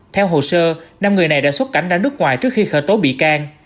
theo hồ sơ năm người này đã xuất cảnh ra nước ngoài trước khi khởi tố bị can